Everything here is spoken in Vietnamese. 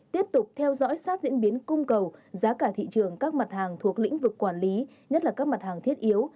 tiếp tục theo dõi sát diễn biến cung cầu giá cả thị trường các mặt hàng thuộc lĩnh vực quản lý nhất là các mặt hàng thiết yếu